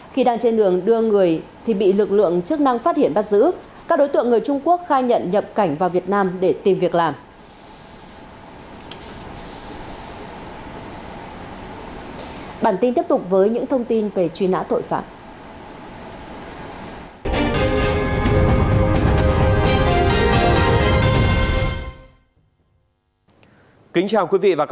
khi đang trên đường đưa người thì bị lực lượng chức năng phát hiện bắt giữ các đối tượng người trung quốc khai nhận nhập cảnh vào việt nam để tìm việc làm